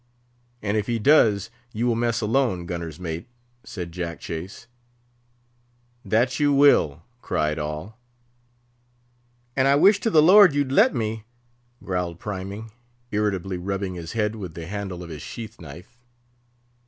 "And if he does, you will mess alone, gunner's mate," said Jack Chase. "That you will," cried all. "And I wish to the Lord you'd let me!" growled Priming, irritably rubbing his head with the handle of his sheath knife.